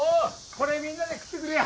これみんなで食ってくれや。